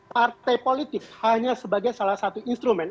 partai politik hanya sebagai salah satu instrumen